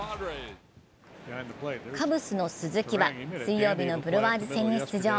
カブスの鈴木は、水曜日のブルワーズ戦に出場。